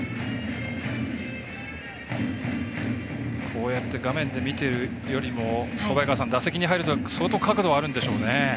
こうやって画面で見ているよりも打席に入ると相当角度あるんでしょうね。